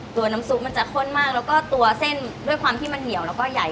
ตัวน้ำซุปมันจะข้นมากแล้วก็ตัวเส้นด้วยความที่มันเหนียวแล้วก็ใหญ่